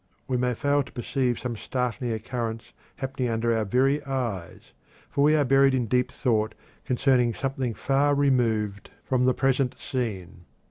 We may fail to perceive some startling occurrence happening under our very eyes, for we are buried in deep thought concerning something far removed from the present scene.